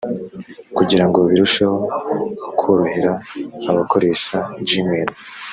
Kugira ngo birusheho korohera abakoresha Gmail